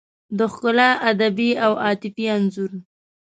د ښکلا ادبي او عاطفي انځور